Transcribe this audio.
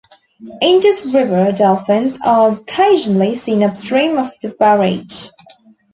Indus River dolphins are occasionally seen upstream of the barrage.